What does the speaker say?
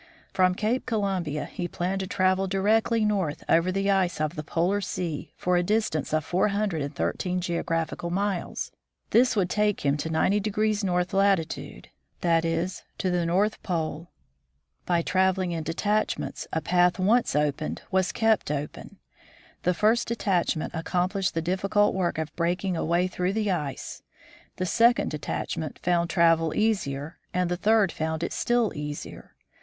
From Cape Columbia he planned to travel directly north over the ice of the Polar sea for a distance of four hundred and thirteen geographical miles. This would take him to 90 north lati tude, i.e., to the North Pole. By traveling in detachments a path once opened was kept open. The first detachment accomplished the difficult work of breaking a way through the ice, the second de tachment found travel easier, and the third found it still easier.